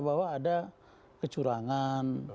bahwa ada kecurangan